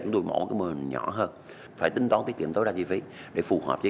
chúng tôi sẽ mở mới một số